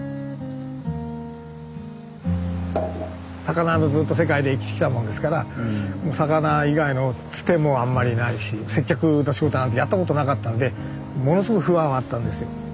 魚のずっと世界で生きてきたもんですからもう魚以外のツテもあんまりないし接客の仕事なんてやったことなかったんでものすごい不安はあったんですよ。